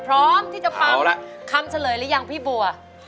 พร้อมที่จะฟังคำเฉลยหรือยังพี่บัว